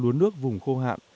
lúa nước vùng khô hạn